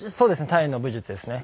タイの武術ですね。